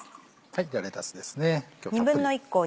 ではレタスですね。